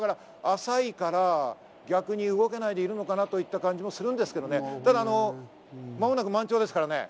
だから逆に動けないでいるのかなといった感じもするんですけどね、間もなく満潮ですからね。